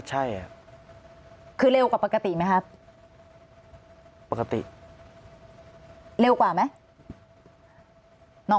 ใช่คือเร็วกว่าปกติไหมครับปกติเร็วกว่าไหม